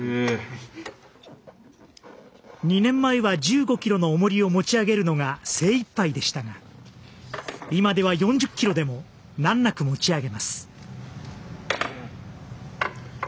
２年前は１５キロの重りを持ち上げるのが精いっぱいでしたが今では４０キロでも難なく持ち上げます。